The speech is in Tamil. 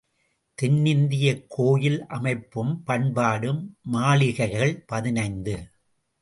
தென்னிந்தியக் கோயில் அமைப்பும் பண்பாடும் மாளிகைகள் பதினைந்து .